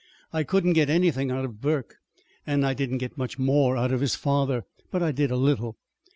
I couldn't get anything out of Burke, and I didn't get much more out of his father. But I did a little."